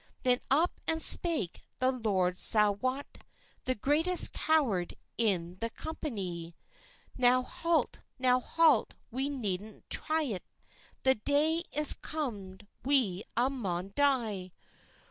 Then up and spake the Laird's saft Wat, The greatest coward in the company; "Now halt, now halt, we needna try't; The day is comd we a' maun die!"